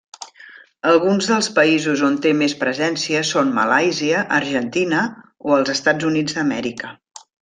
Alguns dels països on té més presència són Malàisia, Argentina o els Estats Units d'Amèrica.